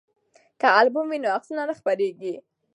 که البوم وي نو عکسونه نه خپریږي.